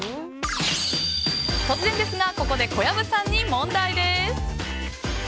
突然ですがここで小籔さんに問題です。